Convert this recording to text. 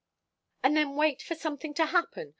"And then wait for something to happen?